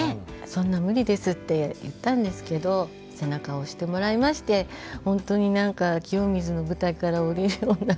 そんな無理ですって言ったんですけど背中を押してもらいましてほんとに何か清水の舞台から降りるような。